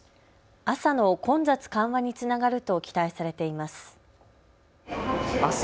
朝の混雑緩和につながると期待されています。